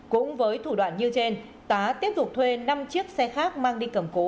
cũng với thủ đoạn như trên tá tiếp tục thuê năm chiếc xe khác mang đi cầm cố